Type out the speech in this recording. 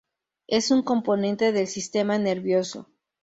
Es un componente del sistema nervioso.